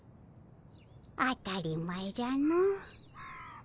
当たり前じゃの。